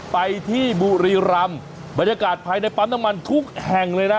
ไปที่บุรีรำบรรยากาศภายในปั๊มน้ำมันทุกแห่งเลยนะ